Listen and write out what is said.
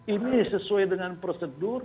ini sesuai dengan prosedur